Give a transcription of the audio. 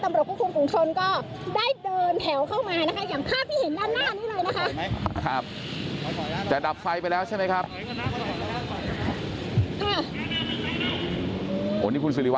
ตำรวจคุณคุณชนก็ได้เดินแถวเข้ามานะคะ